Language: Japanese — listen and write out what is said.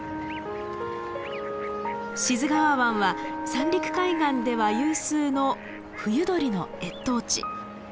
志津川湾は三陸海岸では有数の冬鳥の越冬地。